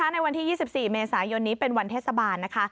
ในวันที่๒๔เมษายนนี้เป็นวันเทศบาลนะคะ